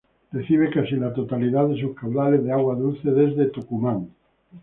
Recibe casi la totalidad de sus caudales de agua dulce desde Tucumán.